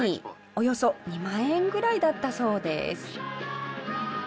およそ２万円ぐらいだったそうです。